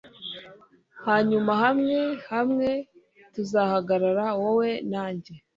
hanyuma hamwe hamwe tuzahagarara, wowe na njye